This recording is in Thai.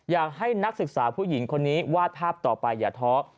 อยากให้นักศึกษาผู้หญิงคนนี้วาดภาพต่อไปอย่าท้อ